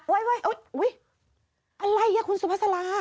อุ๊ยอะไรอ่ะคุณสุภาษาลา